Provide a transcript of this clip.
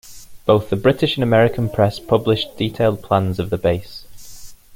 Both the British and American press published detailed plans of the base.